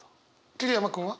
桐山君は？